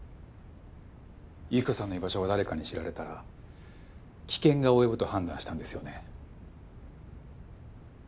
幸子さんの居場所が誰かに知られたら危険が及ぶと判断したんですよね。